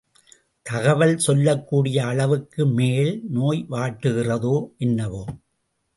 தகவல் சொல்லக்கூடிய அளவுக்கு மேல் நோய் வாட்டுகிறதோ என்னவோ?